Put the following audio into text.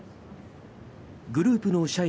グループの社員